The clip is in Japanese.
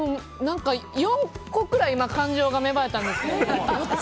４個くらい感情が芽生えたんですけど。